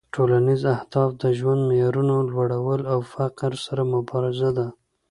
ټولنیز اهداف د ژوند معیارونو لوړول او فقر سره مبارزه ده